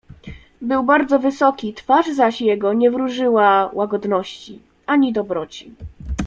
"Był bardzo wysoki, twarz zaś jego nie wróżyła łagodności, ani dobroci."